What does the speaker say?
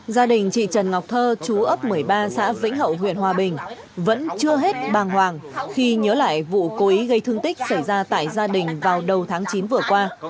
gia đình chị trần ngọc thơ chú ấp một mươi ba xã vĩnh hậu huyện hòa bình vẫn chưa hết bàng hoàng khi nhớ lại vụ cố ý gây thương tích xảy ra tại gia đình vào đầu tháng chín vừa qua